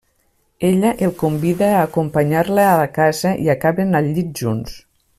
Ella el convida a acompanyar-la a la casa i acaben al llit junts.